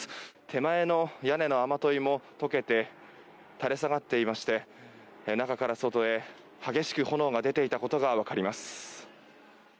手前の屋根の雨どいも溶けて垂れ下がっていまして中から外へ激しく炎が出ていたことがわかります。